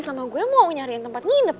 besok baru gue bantu cari tempat kosan buat lo